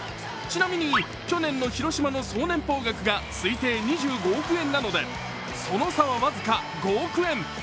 ちなみに去年の広島の総年俸額が推定２５億円なのでその差は僅か５億円。